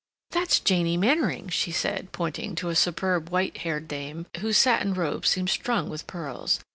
"That's Janie Mannering," she said, pointing to a superb, white haired dame, whose satin robes seemed strung with pearls.